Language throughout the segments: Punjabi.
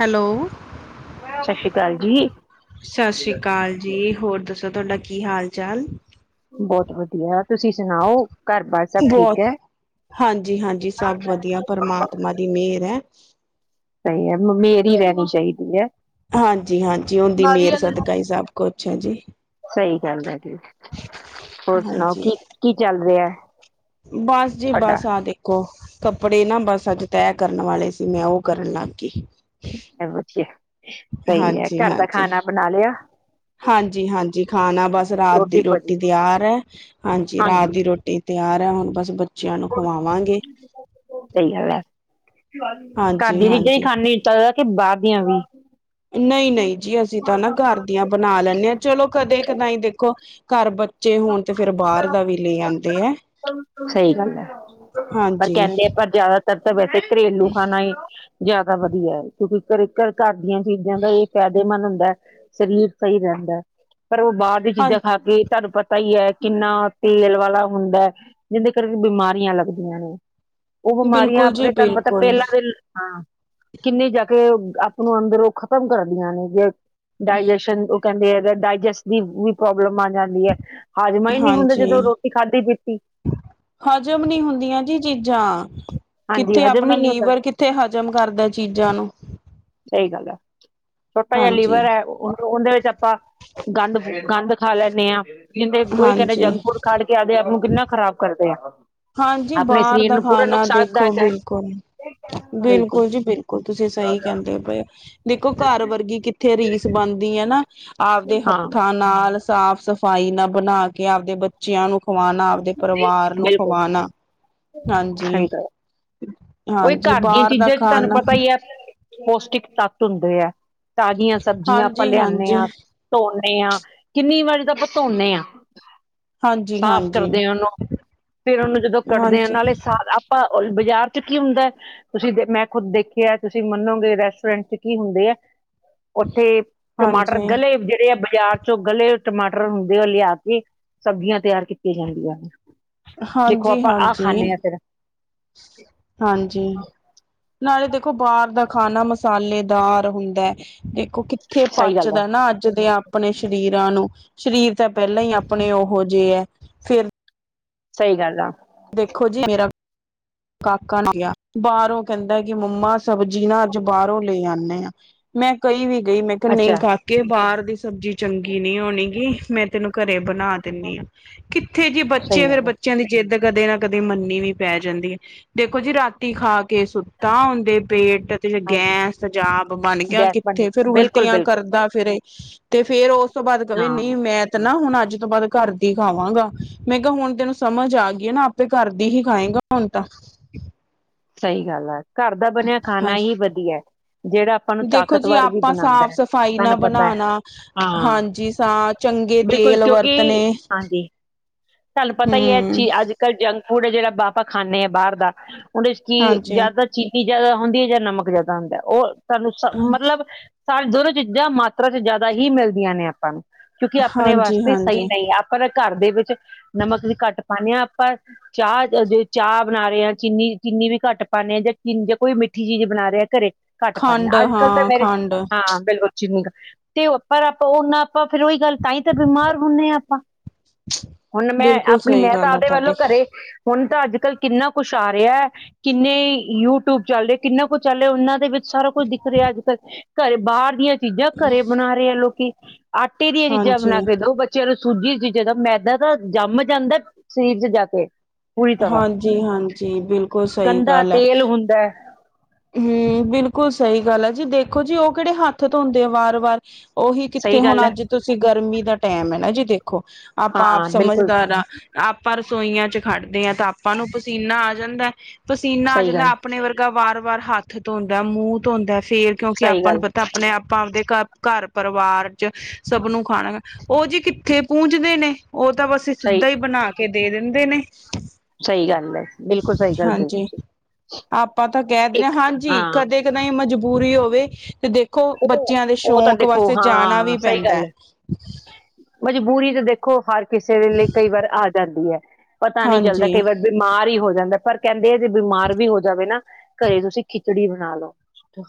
ਹੈਲੋ। ਸਸ ਸ਼੍ਰੀਕਾਲ ਜੀ। ਸਸ ਸ਼੍ਰੀਕਾਲ ਜੀ, ਹੋਰ ਦੱਸੋ ਤੋਡਾ ਕੀ ਹਾਲ ਚਾਲ? ਬਹੁਤ ਵਧੀਆ, ਤੁਸੀਂ ਸੁਣਾਓ ਘਰ ਬਾਰ ਸਭ ਠੀਕ ਐ? ਹਾਂਜੀ-ਹਾਂਜੀ ਸਭ ਵਧੀਆ, ਪਰਮਾਤਮਾ ਦੀ ਮੇਰ ਐ। ਸਈ ਐ, ਮ ਮੇਰ ਈ ਰਹਿਣੀ ਚਾਈਦੀ ਐ। ਹਾਂਜੀ-ਹਾਂਜੀ, ਉਨਦੀ ਮੇਰ ਸਦਕਾ ਈ ਸਭ ਕੁਛ ਐ ਜੀ। ਸਈ ਗੱਲ ਐ ਜੀ, ਹੋਰ ਸੁਣਾਓ ਹਾਂਜੀ ਕੀ-ਕੀ ਚੱਲ ਰਿਐ? ਬਸ ਜੀ ਬਸ ਆ ਦੇ ਕੋ ਕੱਪੜੇ ਨਾ ਬਸ ਅੱਜ ਤੈਅ ਕਰਨ ਵਾਲੇ ਸੀ, ਮੈਂ ਉਹ ਕਰਨ ਲਗ ਗੀ। ਐ ਵਧੀਐ। ਹਾਂਜੀ-ਹਾਂਜੀ। ਲਿਆ ਹਾਂਜੀ-ਹਾਂਜੀ ਖਾਣਾ ਬਸ, ਰਾਤ ਦੀ ਰੋਟੀ ਤਿਆਰ ਐ। ਹਾਂਜੀ ਰਾਤ ਦੀ ਰੋਟੀ ਤਿਆਰ ਐ, ਹੁਣ ਬਸ ਬੱਚਿਆਂ ਨੂੰ ਖਵਾਵਾਂਗੇ। ਸਈ ਗੱਲ ਐ, ਘਰ ਹਾਂਜੀ ਦੀ ਚੀਜ਼ਾਂ ਈ ਹਾਂਜੀ ਖਾਣੀ ਜਾਦਾ ਕੇ ਬਾਹਰ ਦੀਆਂ ਵੀ? ਨਈ-ਨਈ ਜੀ ਅਸੀ ਤਾਂ ਨਾ ਘਰ ਦੀਆਂ ਬਣਾ ਲੈਣੇ ਆ, ਚਲੋ ਕਦੇ ਕਦਾਈ ਦੇਖੋ ਘਰ ਬ ਚੇ ਹੋਣ, ਤੇ ਫੇਰ ਬਾਰ ਦਾ ਵੀ ਲੈ ਆਂਦੇ ਐ। ਸਈ ਗੱਲ ਐ, ਪਰ ਹਾਂਜੀ ਕੇਂਦੇ ਪਰ ਤਰ ਤਾ ਵੈਸੇ ਈ ਘਰੇਲੂ ਖਾਣਾ ਈ, ਜ਼ਿਆਦਾ ਵਧੀਆ ਐ। ਕਿਉਂਕਿ ਘਰੇ ਘਰ-ਘਰ ਦੀਆਂ ਚੀਜ਼ਾਂ ਦਾ ਇਹ ਫਾਇਦੇਮੰਦ ਐ, ਸਰੀਰ ਸਈ ਰੈਂਦੇ। ਪਰ ਉਹ ਬਾਰ ਦੀਆਂ ਹਾਂ ਚੀਜ਼ਾਂ ਖਾ ਕੇ, ਤਾਨੂੰ ਪਤ ਤਾ ਈ ਐ ਕਿੰਨਾ ਤੇਲ ਵਾਲਾ ਹੁੰਦੈ, ਜਿਹਦੇ ਕਾਰਨ ਬਿਮਾਰੀਆਂ ਲਗਦੀਆ ਨੇ। ਉਹ ਬਿਮਾਰੀਆਂ ਬਿਲਕੁਲ ਜੀ ਆਪਣੇ ਤਾਨੂੰ ਪਤਾ ਬਿਲਕੁਲ ਪਹਿਲਾਂ ਵੀ--ਹਾਂ। ਕਿੰਨੇ ਜਾ ਕੇ ਓ ਆਪ ਨੂੰ ਅੰਦਰੋ ਖ਼ਤਮ ਕਰਦੀਆਂ ਨੇ ਜੇ ਡਾਇਜੈਸ਼ਨ ਕੇਦੇ ਐ ਡ ਡਾਇਜੈਸਟ ਦੀ ਵੀ ਪ੍ਰੋਬਲਮ ਆ ਜਾਂਦੀ ਐ। ਹਾਜ਼ਮਾ ਈ ਨੀ ਹੁੰਦਾ ਹਾਂਜੀ ਜਦੋ ਰੋਟੀ ਖਾਧੀ ਪੀਤੀ। ਹਜ਼ਮ ਨੀ ਹੁੰਦੀਆਂ ਜੀ ਚੀਜ਼ਾਂ। ਹਾਂਜੀ ਕਿੱਥੇ ਹਜ਼ਮ ਆਪਣਾ ਹੀ ਨਹੀਂ ਹੁੰਦਾ ਲੀਵਰ ਕਿੱਥੇ ਹਜ਼ਮ ਕਰਦਾ ਚੀਜ਼ਾਂ ਨੂੰ। ਸਹੀ ਗੱਲ ਐ ਛੋਟਾ ਜੇਹਾ ਹਾਂਜੀ ਲੀਵਰ ਐ, ਓਨਦੇ ਵਿੱਚ ਆਪਾਂ ਗੰਦ ਗੰਦ ਖਾ ਲੈਂਨੇ ਆ। ਕਿਥੇ ਕੋਈ ਕੇਨਦਾ ਹਾਂਜੀ ਜੰਕ ਫੂਡ ਖਾ ਲੇ ਕਿ ਆਪਦੇ ਆਪ ਨੂੰ ਕਿੰਨਾ ਖਰਾਬ ਕਰਦੇ ਆ। ਹਾਂਜੀ ਆਪਣੇ ਬਾਰ ਸਰੀਰ ਦਾ ਨੂੰ ਪੂਰਾ ਖਾਣਾ ਦੇਖੋ ਨੁਕਸਾਨਦਾਇਕ ਹੈ ਬਿਲਕੁਲ ਬਿਲਕੁਲ ਜੀ ਬਿਲਕੁਲ, ਤੁਸੀਂ ਸਹੀ ਕੇਨਦੇ ਪਏ ਓ। ਦੇਖੋ ਕਾਰ ਵਰਗੀ ਕਿੱਥੇ ਰੀਸ ਬਣਦੀ ਐ ਨਾ। ਆਪਦੇ ਹਾਂ ਹੱਥਾਂ ਨਾਲ ਸਾਫ਼ ਸਫ਼ਾਈ ਨਾ ਬਣਾ ਕੇ ਆਪਦੇ ਬੱਚਿਆਂ ਨੂੰ ਖਵਾਣਾ। ਦੇ ਪਰਿਵਾਰ ਨੂੰ ਬਿਲਕੁਲ ਖਵਾਣਾ ਹਾਂਜੀ ਸਹੀ ਗੱਲ, ਓਹੀ ਹਾਂਜੀ ਘਰ ਦੀਆਂ ਬਾਹਰ ਦਾ ਚੀਜ਼ਾਂ ਚ ਤਾਨੂੰ ਖਾਣਾ ਪਤਾ ਈ ਐ। ਪੌਸ਼ਟਿਕ ਤੱਤ ਹੁੰਦੇ ਐ, ਤਾਜ਼ੀਆਂ ਸਬਜ਼ੀਆਂ ਆਪਾਂ ਹਾਂਜੀ ਲਆਣੇ ਹਾਂਜੀ ਆ। ਧੋਣੇ ਆ, ਕਿੰਨੀ ਵਾਰੀ ਤਾਂ ਆਪਾਂ ਧੋਣੇ ਆ ਹਾਂਜੀ ਸਾਫ਼ ਹਾਂਜੀ ਕਰਦੇ ਆ ਓਨੁੰ ਫੇਰ ਓਨੁੰ ਜਦੋਂ ਕੱਢਦੇ ਆ, ਹਾਂਜੀ ਨਾਲੇ ਸਾਲ ਆਪਾਂ ਬਾਜ਼ਾਰ ਚ ਕੀ ਹੁੰਦਾ। ਤੁਸੀਂ ਦੇ ਮੈਂ ਖੁਦ ਦੇਖਿਆ, ਤੁਸੀਂ ਮੰਨੋਗੇ ਰੈਸਟੋਰੈਂਟ ਚ ਕੀ ਹੁੰਦੇ ਆ। ਓਥੇ ਟਮਾਟਰ ਹਾਂਜੀ ਗਲੇ ਜੇੜੇ ਆ ਬਾਜ਼ਾਰ ਚੋਂ ਗਲੇ ਟਮਾਟਰ ਹੁੰਦੇ ਓ ਲਿਆ ਕੇ ਸਬਜ਼ੀਆਂ ਤੇਆਰ ਕੀਤੀਆਂ ਜਾਂਦੀਆਂ ਨੇ। ਦੇਖੋ ਹਾਂਜੀ ਆਪਾਂ ਆਹ ਹਾਂਜੀ ਖਾਂਦੇ ਆ ਫੇਰ। ਹਾਂਜੀ। ਨਾਲੇ ਦੇਖੋ ਬਾਰ ਦਾ ਖਾਣਾ ਮਸਾਲੇਦਾਰ ਹੁੰਦਾ ਐ। ਦੇਖੋ ਕਿੱਥੇ ਸਹੀ ਗੱਲ ਆ ਪਚਦਾ ਨਾ ਅੱਜ ਦੇ ਆਪਣੇ ਸਰੀਰਾਂ ਨੂੰ। ਸਰੀਰ ਤਾਂ ਪੈਲਾ ਹੀ ਆਪਣੇ ਓਹੋ ਜੇ ਆ ਫੇਰ ਸਹੀ ਗੱਲ ਆ। ਦੇਖੋ ਜੀ ਮੇਰਾ ਕਾਕਾ ਨੇ ਕਿਹਾ ਬਾਰੋ ਕੇਂਦਾ ਕਿ ਮੰਮਾ ਸਬਜ਼ੀ ਨਾ ਆਜ ਬਾਰੋ ਲੈ ਆਏ ਆ। ਮੈਂ ਕਈ ਵੀ ਗਈ ਮੈਂ ਕਿਹਾ ਨਹੀਂ ਅੱਛਾ ਕਾ ਕਿ ਬਾਰ ਦੀ ਸਬਜ਼ੀ ਚੰਗੀ ਨੀ ਹੋਣੀ ਗੀ, ਮੈਂ ਤੈਨੂੰ ਘਰੇ ਬਣਾ ਦਿੰਦੀ ਆ। ਕਿੱਥੇ ਜੇ ਬੱਚੇ ਸਹੀ ਫੇਰ ਗੱਲ ਆ ਬੱਚਿਆਂ ਦੀ ਜਿੱਦ ਕਦੇ ਨਾ ਕਦੇ ਮੰਨੀ ਵੀ ਪੈ ਜਾਂਦੀ ਐ, ਦੇਖੋ ਜੀ ਰਾਤੀ ਖਾ ਕੇ ਸੁੱਤਾ ਓਨਦੇ ਪੇਟ ਹਾਂਜੀ ਗੈਸ, ਤਜਾਬ ਬਣ ਗਿਆ ਗੈਸ ਬਣ ਜਾਂਦੀ। ਕਿੱਥੇ ਫੇਰ ਬਿਲਕੁਲ ਉਲਟੀਆਂ ਬਿਲਕੁਲ ਕਰਦਾ ਫਿਰੇ ਤੇ ਫੇਰ ਓ ਉਸ ਤੋਂ ਬਾਅਦ ਕਵੇ ਨਈ ਹਾਂ ਮੈਂ ਤਾਂ ਨਾ ਹੁਣ ਅੱਜ ਤੋਂ ਬਾਅਦ ਕਾਰ ਦੀ ਖਾਵਾਂਗਾ, ਮੈਂ ਕੇਹਾ ਹੁਣ ਤੈਨੂੰ ਸਮਝ ਆ ਗ ਈ ਨਾ ਆਪੇ ਕਰਦੀ ਹੀ ਖਾਏਗਾ ਹੁਣ ਤਾਂ ਸਹੀ ਗੱਲ ਆ, ਘਰ ਦਾ ਬਣਿਆ ਖਾਣਾ ਹੀ ਹਾਂਜੀ ਵਧੀਆ ਜੇਹੜਾ ਦੇਖੋ ਜੀ ਆਪਾਂ ਸਾਫ਼ ਸਫ਼ਾਈ ਨਾ ਪਤਾ ਹੈ ਬਣਾਣਾ ਹਾਂ ਹਾਂਜੀ ਸ ਚੰਗੇ ਬਿਲਕੁਲ ਤੇਲ ਵਰਤਣੇ ਤਾਨੂੰ ਪਤਾ ਈ ਏ ਹੂੰ ਚੀਜ਼ ਅੱਜ-ਕੱਲ੍ਹ ਜੰਕ ਫੂਡ ਏ ਜੇਹੜਾ ਆਪਾਂ ਖਾਂਦੇ ਆਂ ਬਾਰ ਦਾ। ਓਦੇ ਚ ਕੀ ਹਾਂਜੀ ਜਆਦਾ ਚੀਨੀ ਜਆਦਾ ਹੁੰਦੀ ਏ ਜਾਂ ਨਮਕ ਜਆਦਾ ਹੁੰਦਾ, ਓਹ ਸਾਨੂੰ ਸ ਹਾਂਜੀ ਮਤਲਬ ਸਾਰੇ ਦੋਨੋਂ ਚੀਜ਼ਾਂ ਮਾਤਰਾ ਚ ਜ਼ਆਦਾ ਹੀ ਮਿਲਦੀਆਂ ਨੇ ਆਪਾਂ ਨੂੰ ਕਿਉਂਕਿ ਆਪਣੇ ਹਾਂਜੀ ਵਾਸਤੇ ਸਹੀ ਹਾਂਜੀ ਨਈ ਏ। ਪਰ ਘਾਰ ਦੇ ਵਿੱਚ ਨਮਕ ਵੀ ਘੱਟ ਪਾਣੇ ਆ ਆਪਾਂ। ਚਾਹ ਜੇ ਚਾਹ ਬਣਾ ਰਹੇ ਆ ਚੀਨੀ ਚੀਨੀ ਵੀ ਘੱਟ ਪਾਣੇ ਆ ਜਾਂ ਚੀਨ ਜੇ ਕੋਈ ਮਿੱਠੀ ਚੀਜ਼ ਬਣਾਹੇਹਾ ਕਰੇ। ਘੱਟ ਪਾਣੇ, ਖੰਡ ਆਜ-ਕੱਲ ਤਾਂ ਹਾਂ ਮੇਰੇ ਖੰਡ ਹਾਂ ਬਿਲਕੁਲ। ਜਿਮੀਂ ਗ ਤੇ ਪਰ ਆਪਾਂ ਓਨਾ ਆਪਾਂ ਫੇਰ ਓਹੀ ਗੱਲ ਤਾਈ ਤਾਂ ਬਿਮਾਰ ਹੁੰਦੇ ਆ ਆਪਾਂ। ਹੁਣ ਮੈਂ ਬਿਲਕੁਲ ਆਪਣੀ ਸਹੀ ਮੈਂ ਤਾਂ ਗੱਲ ਹੈ ਆਪਦੇ ਵੱਲੋਂ ਤੁਹਾਡੀ ਘਰੇ, ਹੁਣ ਤਾਂ ਅੱਜ ਕੱਲ੍ਹ ਕਿੰਨਾ ਕੁਛ ਆ ਰਿਹਾ। ਕਿੰਨੇ ਯੂਟਿਊਬ ਚੱਲ ਰ, ਕਿੰਨਾ ਕੁਛ ਚੱਲ ਰਿਹਾ, ਉਹਨਾਂ ਦੇ ਵਿੱਚ ਸਾਰਾ ਕੁੱਝ ਦਿਖ ਰਿਹਾ ਅੱਜ ਕੱਲ, ਘਰੇ ਬਾਹਰ ਦੀਆਂ ਚੀਜ਼ਾਂ ਘਰੇ ਬਣਾ ਰਹੇ ਆ ਲੋਕੀ। ਆਟੇ ਦੀਆਂ ਚੀਜ਼ਾਂ ਬਣਾ ਹਾਂਜੀ ਕੇ ਦੋ, ਬੱਚਿਆਂ ਨੂੰ ਸੂਜੀ ਦੀ ਚੀਜ਼ਾਂ ਦਾਓ, ਮੈਦਾ ਜੰਮ ਜਾਂਦਾ ਸਰੀਰ 'ਚ ਜਾ ਕੇ ਪੂਰੀ ਤਰ੍ਹਾਂ, ਹਾਂਜੀ ਹਾਂਜੀ ਬਿਲਕੁਲ ਗੰਦਾ ਤੇਲ ਹੁੰਦਾ। ਹਮ ਬਿਲਕੁਲ ਸਹੀ ਗੱਲ ਆ ਜੀ, ਦੇਖੋ ਜੀ ਉਹ ਕਿਹੜੇ ਹੱਥ ਧੋਂਦੇ ਆ ਵਾਰ ਵਾਰ। ਉਹੀ ਕਿੱਥੇ, ਸਹੀ ਗੱਲ ਹੁਣ ਹੈ ਅੱਜ ਤੁਸੀਂ ਗਰਮੀ ਦਾ ਟੈਮ ਹੈ ਨਾ ਜੀ ਦੇਖੋ ਆਪਾਂ ਆਪ ਹਾਂ ਬਿਲਕੁਲ ਸਮਝਦਾਰ ਆ ਆਪਾਂ ਰਸੋਈਆਂ 'ਚ ਖੜਦੇ ਹਾਂ ਤਾਂ ਆਪਾਂ ਨੂੰ ਪਸੀਨਾ ਆ ਜਾਂਦਾ, ਪਸੀਨਾ ਆ ਸਹੀ ਜਾਂਦਾ ਗੱਲ ਆਪਣੇ ਵਰਗਾ ਵਾਰ- ਵਾਰ ਹੱਥ ਧੋਂਦਾ, ਮੂੰਹ ਧੋਂਦਾ, ਫੇਰ ਕਿਉਂਕਿ ਸਹੀ ਆਪਾਂ ਨੂੰ ਗੱਲ ਪਤਾ ਆਪਣੇ- ਆਪ ਆਪਾਂ ਆਪਦੇ 'ਘ ਘਰ ਪਰਿਵਾਰ ਚ' ਸਭ ਨੂੰ ਖਾਣਾ, ਉਹ ਜੀ ਕਿੱਥੇ ਪੁੰਜਦੇ ਨੇ। ਉਹ ਤਾਂ ਬਸ ਸਹੀ ਸਿੱਧਾ ਹੀ ਬਣਾ ਕੇ ਦੇ ਦਿੰਦੇ ਨੇ। ਸਹੀ ਗੱਲ ਹੈ, ਬਿਲਕੁਲ ਸਹੀ ਗੱਲ ਕਹੀ ਹਾਂਜੀ ਤੁਸੀਂ। ਆਪਾਂ ਤਾਂ ਕਹਿ ਇੱਕ ਹਾਂਜੀ, ਹਾਂ ਕਦੇ -ਕਦੇ ਮਜਬੂਰੀ ਹੋਵੇ ਤੇ ਦੇਖੋ, ਉਹ ਬੱਚਿਆਂ ਦੇ ਉਹ ਤਾਂ ਸ਼ੌਂਕ ਦੇਖੋ ਵਾਸਤੇ ਜਾਣਾ ਵੀ ਹਾਂ ਸਹੀ ਪੈਂਦਾ ਗੱਲ ਹੈ। ਮਜਬੂਰੀ ਤੇ ਦੇਖੋ ਹਰ ਕਿਸੇ ਦੇ ਲਈ, ਕਈ ਵਾਰ ਆ ਜਾਂਦੀ ਹੈ। ਪਤਾ ਨੀ ਹਾਂਜੀ ਬਿਮਾਰ ਹੀ ਹੋ ਜਾਂਦਾ, ਪਰ ਕਹਿੰਦੇ ਆ ਜੇ ਬਿਮਾਰ ਵੀ ਹੋ ਜਾਵੇ ਨਾ ਘਰੇ ਤੁਸੀਂ ਖਿਚੜੀ ਬਣਾ ਲਓ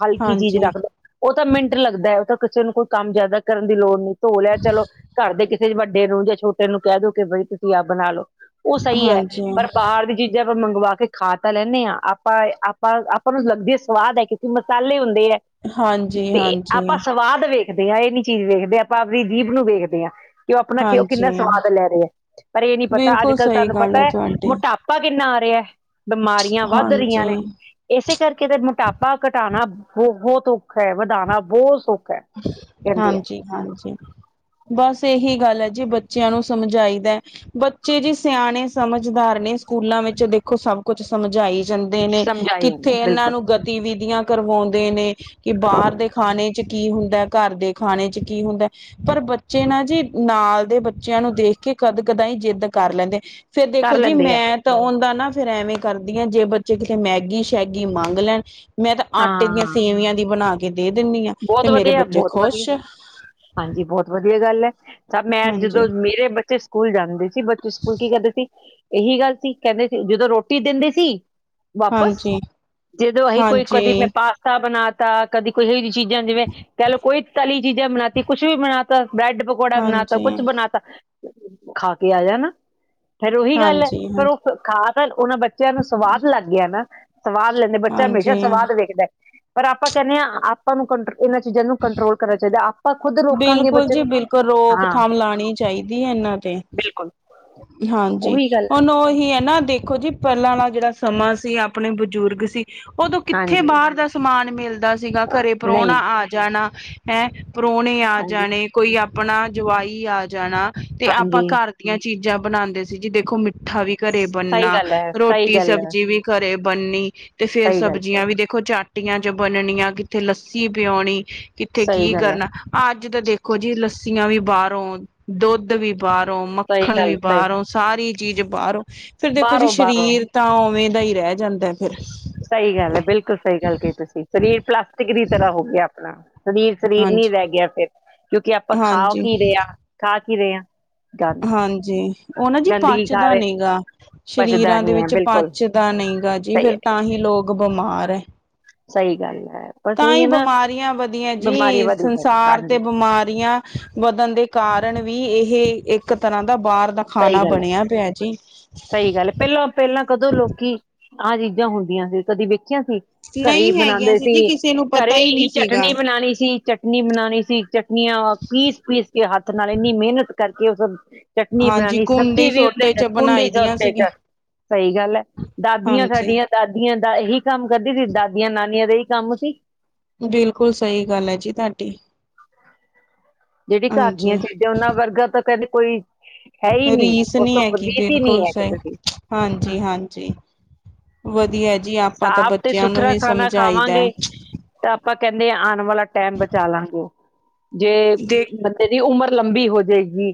ਹਲਕੀ ਚੀਜ਼ ਹਾਂਜੀ ਰੱਖਦਾ, ਉਹ ਤਾਂ ਮਿੰਟ ਲੱਗਦਾ ਹੈ ਉਹ ਤਾਂ ਕਿਸੇ ਨੂੰ ਕੋਈ ਕੰਮ ਜ਼ਿਆਦਾ ਕਰਨ ਦੀ ਲੋੜ ਨਹੀਂ। ਧੋ ਲਿਆ ਚਲੋ, ਘਰ ਦੇ ਕਿਸੇ ਵੱਡੇ ਨੂੰ ਜਾਂ ਛੋਟੇ ਨੂੰ ਕਹਿ ਦਓ ਕਿ ਬਾਈ ਤੁਸੀਂ ਆਪ ਬਣਾ ਲਓ। ਉਹ ਸਹੀ ਹੈ। ਹਾਂਜੀ ਬਾਰ ਦੀ ਚੀਜ਼ਾਂ ਆਪਾਂ ਮੰਗਵਾ ਕੇ ਖਾ ਤਾਂ ਲੈਂਦੇ ਹਾਂ ਆਪਾਂ ਆਪਾਂ, ਆਪਾਂ ਨੂੰ ਲੱਗਦੀ ਸਵਾਦ ਹੈ। ਕਿ ਮਸਾਲੇ ਹੁੰਦੇ ਆ, ਹਾਂਜੀ ਤੇ ਆਪਾਂ ਹਾਂਜੀ ਸਵਾਦ ਵੇਖਦੇ ਹਾਂ ਇਹ ਨੀ ਚੀਜ਼ ਵੇਖਦੇ ਆ ਆਪਣੀ ਜੀਭ ਨੂੰ ਵੇਖਦੇ ਹਾਂ, ਕਿ ਉਹ ਆਪਣਾ ਉਹ ਕਿੰਨਾ ਹਾਂਜੀ ਸਵਾਦ ਲੈ ਰਹੇ ਹੈ। ਪਰ ਇਹ ਨੀ ਪਤਾ, ਅੱਜ ਬਿਲਕੁਲ ਕੱਲ੍ਹ ਸਹੀ ਤੁਹਾਨੂੰ ਗੱਲ ਪਤਾ ਹੈ ਤੁਹਾਡੀ ਮੋਟਾਪਾ ਕਿੰਨਾ ਆ ਰਿਹਾ, ਬਿਮਾਰੀਆਂ ਵੱਧ ਰਹੀਆਂ ਹਾਂਜੀ ਨੇ ਇਸੇ ਕਰਕੇ ਤੇ ਮੋਟਾਪਾ ਘਟਾਉਣਾ ਬਹੁਤ ਔਖਾ ਹੈ, ਵਧਾਉਣਾ ਬਹੁਤ ਸੌਖਾ। ਹੈ ਕਹਿੰਦੇ ਆ ਹਾਂਜੀ -ਹਾਂਜੀ। ਬਸ ਇਹੀ ਗੱਲ ਹੈ ਜੇ ਬੱਚਿਆਂ ਨੂੰ ਸਮਝਾਈਦਾ। ਬੱਚੇ ਜੀ ਸਿਆਣੇ ਸਮਝਦਾਰ ਨੇ, ਸਕੂਲਾਂ ਵਿੱਚ ਦੇਖੋ ਸਭ ਕੁਛ ਸਮਝਾਈ ਜਾਂਦੇ ਨੇ, ਸਮਝਾਇਆ ਕਿੱਥੇ ਜਾਂਦਾ ਇਹਨਾਂ ਬਿਲਕੁਲ ਨੂੰ ਗਤੀਵਿਧੀਆਂ ਕਰਵਾਉਂਦੇ ਨੇ, ਕਿ ਬਾਹਰ ਦੇ ਖਾਣੇ ਚ' ਕੀ ਹੁੰਦਾ, ਘਰ ਦੇ ਖਾਣੇ ਚ' ਕੀ ਹੁੰਦਾ, ਪਰ ਬੱਚੇ ਨਾ ਜੀ ਨਾਲ ਦੇ ਬੱਚਿਆਂ ਨੂੰ ਦੇਖ ਕੇ ਕਦ- ਕਦਾ ਹੀ ਜਿੱਦ ਕਰ ਲੈਂਦੇ, ਫੇਰ ਦੇਖੋ ਕਰ ਜੀ ਲੈਂਦੇ ਆ ਮੈਂ ਤਾਂ ਉਹਦਾ ਨਾ ਫੇਰ ਐਵੇਂ ਕਰਦੀ ਆ, ਜੇ ਬੱਚੇ ਕਿਤੇ ਮੈਗੀ- ਸ਼ੈਗੀ ਮੰਗ ਲੈਣ ਮੈਂ ਤਾਂ ਆਟੇ ਦੀਆਂ ਹਾਂ ਸੇਵੀਆਂ ਦੀ ਬਣਾ ਕੇ ਦੇ ਦਿੰਦੀ ਹਾਂ, ਤੇ ਬਹੁਤ ਮੇਰੇ ਵਧੀਆ ਬੱਚੇ ਬਹੁਤ ਵਧੀਆ ਖੁਸ਼। ਹਾਂਜੀ, ਬਹੁਤ ਵਧੀਆ ਗੱਲ ਹੈ, ਸਭ ਮੈਂ ਹਾਂਜੀ ਜਦੋਂ ਮੇਰੇ ਬੱਚੇ ਸਕੂਲ ਜਾਂਦੇ ਬੱਚੇ ਸਕੂਲ ਕੀ ਕਰਦੇ ਸੀ, ਇਹੀ ਗੱਲ ਸੀ ਕਹਿੰਦੇ ਸੀ, ਜਦੋਂ ਰੋਟੀ ਦਿੰਦੇ ਸੀ ਵਾਪਿਸ, ਹਾਂਜੀ। ਜਦੋਂ ਅਸੀਂ ਕੋਈ ਕਦੀ ਹਾਂਜੀ, ਮੈਂ ਪਾ ਸਤਾ ਬਣਾ ਤਾ, ਕਦੀ ਕੋਈ ਇਹੋ ਜਹੀ ਚੀਜ਼ਾਂ ਜਿਵੇਂ ਕਹਿ ਲ ਲੋ ਕੋਈ ਤਲੀ ਚੀਜ਼ਾਂ ਬਣਾਤੀ, ਕੁਛ ਵੀ ਬਣਾ ਤਾ, ਬ੍ਰੈਡ ਪਕੌੜਾ ਬਣਾ ਤਾ, ਹਾਂਜੀ, ਕੁਛ ਬਣਾ ਤਾ ਖਾ ਕੇ ਆ ਜਾ ਨਾ, ਫੇਰ ਉਹੀ ਗੱਲ ਹੈ ਹਾਂਜੀ, ਹਾਂ, ਫਿਰ ਉਹ ਖਾ ਉਹਨਾਂ ਬੱਚਿਆਂ ਨੂੰ ਸਵਾਦ ਲੱਗ ਗਿਆ ਨਾ, ਸਵਾਦ ਲੈਂਦੇ, ਬੱਚਾ ਹਮੇਸ਼ਾ ਹਾਂਜੀ। ਸਵਾਦ ਵੇਖਦਾ। ਪਰ ਆਪਾਂ ਕਹਿੰਦੇ ਹਾਂ ਆਪਾਂ ਨੂੰ, ਕੰਟਰ ਇਹਨਾਂ ਚੀਜ਼ਾਂ ਨੂੰ ਕੰਟਰੋਲ ਕਰਨਾ ਚਾਹੀਦਾ। ਆਪ ਬਿਲਕੁਲ ਜੀ ਬਿਲਕੁਲ ਹਾਂ, ਰੋਕਥਾਮ ਲਾਉਣੀ ਚਾਹੀਦੀ ਹੈ ਇਹਨਾਂ ਤੇ। ਹ [inaudible] ਹਾਂਜੀ ਹੁਣ ਉਹੀ ਹੈ ਨਾ ਦੇਖੋ ਜੀ ਪਹਿਲਾਂ ਵਾਲਾ ਜਿਹੜਾ ਸਮਾਂ ਸੀ ਆਪਣੇ ਬਜ਼ੁਰਗ ਸੀ। ਉਦੋਂ ਕਿੱਥੇ ਹਾਂਜੀ, ਬਾਹਰ ਦਾ ਸਮਾਨ ਮਿਲਦਾ ਸੀਗਾ ਘਰੇ ਪਰੋਣਾ ਨਹੀਂ, ਆ ਜਾਣਾ। ਹੈ ਪਰੋਣੇ ਆ ਹਾਂਜੀ, ਜਾਣੇ ਕੋਈ ਆਪਣਾ ਜਵਾਈ ਆ ਜਾਣਾ। ਤੇ ਆਪਾਂ ਹਾਂਜੀ, ਘਰ ਦੀਆਂ ਚੀਜ਼ਾਂ ਬਣਾਉਂਦੇ ਸੀ ਜੀ ਦੇਖੋ ਮਿੱਠਾ ਵੀ ਘਰੇ ਸਹੀ ਬਣਨਾ ਗੱਲ ਹੈ, ਸਹੀ ਰੋਟੀ, ਗੱਲ ਹੈ, ਸਬਜ਼ੀ ਵੀ ਘਰੇ ਬਣਨੀ ਤੇ ਫੇਰ ਸਹੀ ਗੱਲ, ਸਬਜ਼ੀਆਂ ਵੀ ਦੇਖੋ ਚਾ ਪਟੀਆਂ ਚ ਬਨਣੀਆਂ ਕਿੱਥੇ ਲੱਸੀ ਪੀਆਉਣੀ ਕਿੱਥੇ ਸਹੀ ਕੀ ਗੱਲ ਹੈ, ਕਰਨਾ। ਅੱਜ ਤਾਂ ਦੇਖੋ ਜੀ ਲੱੱਸੀਆਂ ਵੀ ਬਾਰੋ, ਦੁੱਧ ਵੀ ਬਾਰੋ, ਸਹੀ ਮੱਖਣ ਵੀ ਗੱਲ, ਸਹੀ ਗੱਲ, ਬਾਰੋ। ਸਾਰੀ ਚੀਜ਼ ਬਾਰੋਂ ਫਿਰ ਦੇਖੋ ਜੀ ਬਾਹਰੋਂ ਬਾਹਰੋਂ ਸਰੀਰ ਤਾਂ ਉਵੇਂ ਦਾ ਹੀ ਰਹਿ ਜਾਂਦਾ ਫਿਰ। ਸਹੀ ਗੱਲ ਹੈ ਬਿਲਕੁਲ ਸਹੀ ਗੱਲ ਕਹੀ ਤੁਸੀਂ ਸਰੀਰ ਪਲਾਸਟਿਕ ਦੀ ਤਰ੍ਹਾਂ ਹੋ ਗਿਆ ਆਪਣਾ। ਸਰੀਰ-ਸਰੀਰ ਨੀ ਹਾਂਜੀ। ਰਹਿ ਗਿਆ ਫੇਰ ਕਿਉਂਕਿ ਆਪਾਂ ਖਾ ਹਾਂਜੀ, ਕੀ ਰਹੇ ਹਾਂ, ਖਾ ਕੀ ਰਹੇ ਹਾਂ। ਗੰਦ ਹਾਂਜੀ ਉਹ ਨਾ ਜੀ ਗੰਦਗੀ ਖਾ ਪਚਦਾ ਰਹੇ ਨੀ ਗਾ। ਸਰੀਰਾਂ ਦੇ ਪਛਦਾਨੀ ਹੈ ਵਿੱਚ ਬਿਲਕੁਲ ਪਚਦਾ ਨਹੀਂ ਗਾ ਜੀ ਸਹੀ ਹੈ, ਫੇਰ ਤਾਂ ਹੀ ਲੋਕ ਬਿਮਾਰ ਹੈ। ਸਹੀ ਗੱਲ ਹੈ। ਬਸ ਤਾਂ ਉਹੀ ਹੀ ਹੈ ਨਾ ਬਿਮਾਰੀਆਂ ਵਧੀਆ ਬਿਮਾਰੀ ਜੀ ਵਧੀ ਜਾਂਦੀ ਸੰਸਾਰ ਤੇ ਹਾਂਜੀ ਬਿਮਾਰੀਆਂ ਵਧਣ ਦੇ ਕਾਰਨ ਵੀ ਇਹ ਇੱਕ ਤਰ੍ਹਾਂ ਦਾ ਬਾਰ ਦਾ ਸਹੀ ਖਾਣਾ ਬਣਿਆ ਪਿਆ ਜੀ। ਪਹਿਲਾਂ-ਪਹਿਲਾਂ ਕਦੋਂ ਲੋਕੀ ਆਹ ਚੀਜ਼ਾਂ ਹੁੰਦੀਆਂ ਸੀ ਕਦੀ ਵੇਖੀਆਂ ਸੀ। ਘਰੇ ਹੀ ਨਹੀਂ ਹੈਗੀਆਂ ਬਣਾਉਂਦੇ ਜੀ ਸੀ ਕਿਸੇ ਨੂੰ ਘਰੇ ਪਤਾ ਹੀ ਨਹੀਂ ਸੀਗਾ। ਚਟਨੀ ਬਣਾਉਣੀ ਸੀ ਚਟ ਟਨੀ ਬਣਾਉਣੀ ਸੀ ਚਟਨੀਆਂ ਪੀਸ ਪੀਸ ਕੇ ਹੱਥ ਨਾਲ ਇੰਨੀ ਮਿਹਨਤ ਕਰਕੇ ਉਹ ਫੇਰ ਚ ਟਨੀ ਹਾਂਜੀ ਬਣਾਣੀ ਚਟਨੀ ਕੁੰਡੀ ਵੀ ਸੋਟੇ ਚ ਕੁੰਡੀ ਬਣਾਈ ਦੀਆਂ ਸੋਟੇ ਸੀਗੀ ਚ ਸਹੀ ਗੱਲ ਹੈ ਦਾਦੀਆਂ ਹਾਂਜੀ ਸਾਡੀਆਂ ਦਾਦੀਆਂ ਦਾ ਇਹੀ ਕੰਮ ਕਰਦੀ ਸੀ ਦਾਦੀਆਂ ਨਾਨੀਆਂ ਦਾ ਹੀ ਕੰਮ ਸੀ। ਬਿਲਕੁਲ ਸਹੀ ਗੱਲ ਹੈ ਜੀ ਤੁਹਾਡੀ। ਜਿਹੜੀ ਘਰ ਹਾਂਜੀ ਦੀਆਂ ਚੀਜ਼ਾਂ ਉਹਨਾਂ ਵਰਗਾ ਤਾਂ ਕਹਿੰਦੇ ਕੋਈ ਹੈ ਹੀ ਨੀ ਰੀਸ ਉਸ ਤੋਂ ਨੀ ਹੈਗੀ ਰੀਸ ਹੀ ਨੀ ਬਿਲਕੁਲ ਸਹੀ ਕਿਸੇ ਦੀ। ਹਾਂਜੀ ਹਾਂਜੀ ਵਧੀਆ ਜੀ ਆਪਾਂ ਤਾਂ ਸਾਫ ਤੇ ਬੱਚਿਆਂ ਨੂੰ ਸੁਥਰਾ ਵੀ ਖਾਣਾ ਸਮਝਾਈਦਾ ਖਾਵਾਂਗੇ ਤਾਂ ਆਪਾਂ ਕਹਿੰਦੇ ਆ ਆਣ ਵਾਲਾ ਟੈਮ ਬਚਾ ਲਾਂਗੇ ਜੇ ਦੇ ਬੰਦੇ ਦੀ ਉਮਰ ਲੰਬੀ ਹੋ ਜੇਗੀ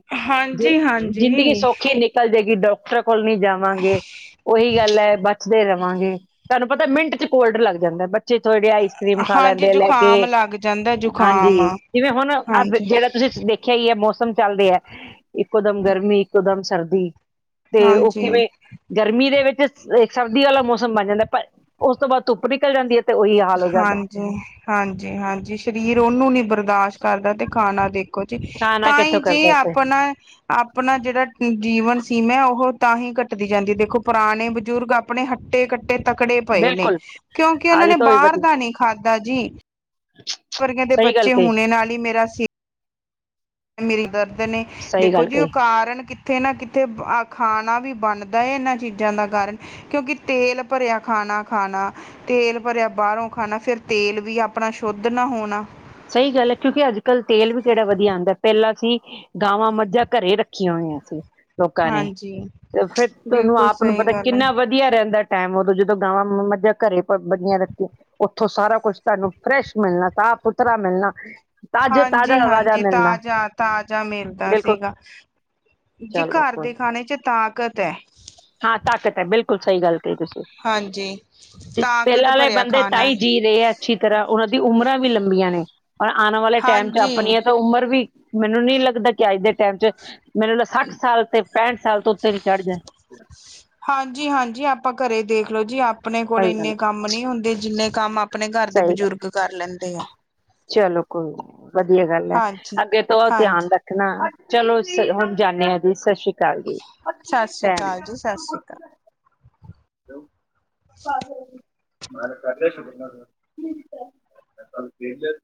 ਜੇ ਹਾਂਜੀ ਹਾਂਜੀ ਜ਼ਿੰਦਗੀ ਸੌਖੀ ਨਿਕ ਚੱਲ ਜੇਗੀ ਡਾਕਟਰਾਂ ਕੋਲ ਨੀ ਜਾਵਾਂਗੇ ਉਹੀ ਗੱਲ ਹੈ ਬਚਦੇ ਰਵਾਂਗੇ। ਤੁਹਾਨੂੰ ਪਤਾ ਮਿੰਟ ਚ ਕੋਲਡ ਲੱਗ ਜਾਂਦਾ ਬੱਚੇ ਥੋੜੇ ਆਈਸ ਕਰੀਮ ਖਾ ਹਾਂਜੀ ਲੈਂਦੇ ਆ ਲੈ ਕੇ ਜ਼ੁਕਾਮ ਲੱਗ ਜਾਂਦਾ ਹਾਂਜੀ ਜ਼ੁਕਾਮ ਜਿਵੇਂ ਹੁਣ ਅੱ ਹਾਂਜੀ ਦੇਖਿਆ ਹੀ ਹੈ ਮੌਸਮ ਚੱਲ ਰਹੀਆ ਇੱਕੋ ਦਮ ਗਰਮੀ ਇੱਕੋ ਦਮ ਸਰਦੀ। ਤੇ ਉਹ ਹਾਂਜੀ ਕਿਵੇਂ ਗਰਮੀ ਦੇ ਵਿੱਚ ਸਰਦੀ ਵਾਲਾ ਮੌਸਮ ਬਣ ਜਾਂਦਾ ਪਰ ਉਸ ਤੋਂ ਬਾਦ ਧੁੱਪ ਨਿਕਲ ਜਾਂਦੀ ਹੈ। ਤੇ ਉਹੀ ਹਾਲ ਹੋ ਜਾਂਦਾ। ਹਾਂਜੀ-ਹਾਂਜੀ ਸਰੀਰ ਉਹਨੂੰ ਨੀ ਬਰਦਾਸ਼ਤ ਕਰਦਾ ਤੇ ਖਾਣਾ ਦੇਖ ਖਾਣਾ ਤਾਂਹੀ ਕਿੱਥੋਂ ਜੀ ਕਰਦਾ ਸੀ ਆਪਣਾ ਆਪਣਾ ਜਿਹੜਾ ਜੀਵਨ ਸੀਮਾ ਉਹ ਤਾਂ ਹੀ ਘੱਟਦੀ ਜਾਂਦੀ ਦੇਖੋ ਪੁਰਾਣੇ ਬਜ਼ੁਰਗ ਆਪ ਆਪਣੇ ਹੱਟੇ-ਕੱਟੇ ਤਕੜੇ ਪਏ ਨੇ ਬਿਲਕੁਲ ਕਿਉਂਕਿ ਉਹਨਾਂ ਅੱਜ ਨੇ ਤੋਂ ਵੀ ਬਾਰ ਵਧੀਆ ਦਾ ਨੀ ਖਾਧਾ ਜੀ। ਵਰਗੇ ਦੇ ਸਹੀ ਗੱਲ ਬੱਚੇ ਕਹੀ ਹੋਣੇ ਨਾਲ ਹੀ ਮੇਰਾ ਸ ਮੇਰੀ ਦਰਦ ਨੇ ਸਹੀ ਦੇਖੋ ਗੱਲ ਜੀ ਉਹ ਕਹੀ ਕਾਰਨ ਕਿ ਕਿਤੇ ਨਾ ਕਿਤੇ ਖਾਣਾ ਵੀ ਬਣਦਾ ਇਹਨਾਂ ਚੀਜ਼ਾਂ ਦਾ ਕਾਰਨ। ਕਿਉਂਕਿ ਤੇਲ ਭਰਿਆ ਖਾਣਾ ਖਾਣਾ। ਤੇਲ ਭਰਿਆ ਬਾਹਰੋਂ ਖਾਣਾ, ਫਿਰ ਤੇਲ ਵੀ ਆਪਣਾ ਸ਼ੁੱਧ ਨਾ ਹੋਣਾ। ਸਹੀ ਗੱਲ ਹੈ ਕਿਉਂਕਿ ਅੱਜ ਕੱਲ੍ਹ ਤੇਲ ਵੀ ਕਿਹੜਾ ਵਧੀਆ ਆਉਦਾ, ਪਹਿਲਾਂ ਸੀ ਗਾਵਾਂ, ਮੱਝਾਂ ਘਰੇ ਰੱਖੀਆਂ ਹੋਈਆਂ ਸੀ। ਲੋਕਾਂ ਨੇ, ਹਾਂਜੀ ਤੇ ਫਿਰ ਤੁਹਾਨੂੰ ਬਿਲਕੁਲ ਆਪ ਨੂੰ ਸਹੀ ਪਤਾ ਗੱਲ ਹੈ ਕਿੰਨਾ ਵਾ ਵਧੀਆ ਰਹਿੰਦਾ ਟਾਈਮ, ਉਦੋਂ ਜਦੋਂ ਗਾਵਾਂ- ਮੱਝਾਂ ਘਰੇ ਵਧੀਆ ਰੱਖੀ ਆ ਉੱਥੋਂ ਸਾਰਾ ਕੁਛ ਤੁਹਾਨੂੰ ਫਰੈਸ਼ ਮਿਲਣਾ, ਸਾਫ਼ ਸੁਥਰਾ ਮਿਲਣਾ। ਤਾਜ਼ਾ ਤਾਜ਼ਾ ਹਾਂਜੀ ਤਾਜ਼ਾ ਹਾਂਜੀ, ਮਿਲਣਾ ਤਾਜ਼ਾ-ਤਾਜ਼ਾ ਮਿਲਦਾ ਬਿਲਕੁਲ ਸੀਗਾ। ਜੀ ਚਲੋ ਘਰ ਕੋਈ ਦੇ ਖਾਣੇ 'ਚ ਤਾਕਤ ਹੈ। ਹਾਂ ਤਾਕਤ ਹੈ, ਬਿਲਕੁਲ ਬਿਲਕੁਲ ਸਹੀ ਗੱਲ ਕਹੀ ਤੁਸੀਂ, ਹਾਂਜੀ ਤਾਕਤ ਪਹਿਲਾਂ ਵਾਲੇ ਭਰਿਆ ਬੰਦੇ ਖਾਣਾ ਹੈ। ਤਾਈ ਜੀ ਰਹੇ ਆ ਅੱਛੀ ਤਰ੍ਹਾਂ ਉਹਨਾਂ ਦੀ ਉਮਰਾਂ ਵੀ ਲੰਬੀਆਂ ਨੇ, ਪਰ ਆਉਣ ਵਾਲੇ ਟਾਈਮ 'ਚ ਹਾਂਜੀ ਆਪਣੀਆਂ ਤਾਂ ਉਮਰ ਵੀ ਮੈਨੂੰ ਨੀ ਲੱਗਦਾ ਕਿ ਅੱਜ ਦੇ ਟਾਈਮ 'ਚ, ਮੈਨੂੰ ਸੱਠ ਸਾਲ ਤੇ ਪੈਂਹਠ ਸਾਲ ਤੋਂ ਉੱਤੇ ਵੀ ਚੜ੍ਹ ਜਾਏ। ਹਾਂਜੀ ਹਾਂਜੀ ਆਪਾਂ ਘਰੇ ਦੇਖਲੋ ਜੀ, ਆਪਣੇ ਕੋਲ ਸਹੀ ਗੱਲ ਇੰਨੇ ਕੰਮ ਨਹੀਂ ਹੁੰਦੇ ਜਿੰਨੇ ਕੰਮ ਆਪਣੇ ਘਰ ਦੇ ਸਹੀ ਗੱਲ ਬਜ਼ੁਰਗ ਕਰ ਲੈਂਦੇ ਆ। ਚਲੋ ਕੋਈ ਨੀ ਵਧੀਆ ਗੱਲ ਹੈ, ਹਾਂਜੀ ਅੱਗੇ ਤੋਂ ਧਿਆਨ ਹਾਂਜੀ ਰੱਖ ਚਲੋ ਹੁਣ ਜਾਂਦੇ ਹਾਂ ਜੀ, ਸਤਿ ਸ੍ਰੀ ਅਕਾਲ ਜੀ। ਸਤਿ ਸ਼੍ਰੀ ਅਕਾਲ ਜੀ, ਸਤਿ ਸ਼੍ਰੀ ਅਕਾਲ। ਟੈਮ ਮ ਤਾਂ ਕਰ, ਬ ਫ